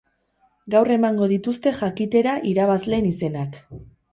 Gaur emango dituzte jakitera irabazleen izenak.